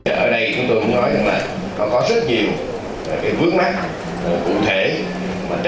ở đây chúng tôi muốn nói rằng là nó có rất nhiều cái vướng mắt cụ thể